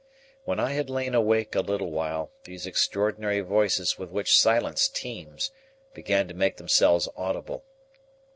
When I had lain awake a little while, those extraordinary voices with which silence teems began to make themselves audible.